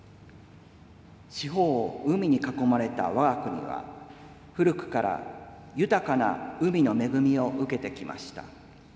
四方を海に囲まれた我が国は、古くから豊かな海の恵みを受けてきました。